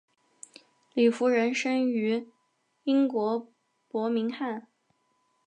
李福仁生于英国伯明翰。